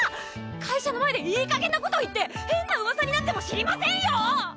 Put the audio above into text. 会社の前でいい加減な事言って変な噂になっても知りませんよ！